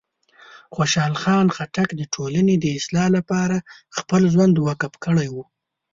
خوشحال خان خټک د ټولنې د اصلاح لپاره خپل ژوند وقف کړی و.